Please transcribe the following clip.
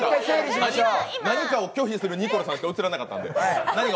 何かを拒否するニコルさんとしかうつらなかったんで。